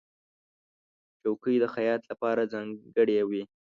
چوکۍ د خیاط لپاره ځانګړې وي.